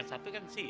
satu kan sini